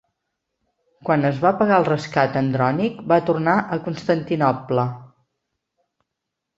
Quan es va pagar el rescat Andrònic va tornar a Constantinoble.